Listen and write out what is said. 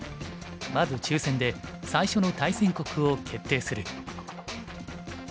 まず抽選で最初の対戦国を決定する。